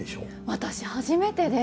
私初めてで。